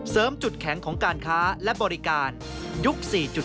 จุดแข็งของการค้าและบริการยุค๔๐